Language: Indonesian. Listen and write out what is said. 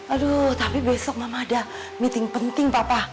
aduh tapi besok mama ada meeting penting papa